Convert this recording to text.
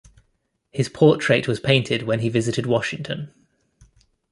His portrait was painted when he visited Washington.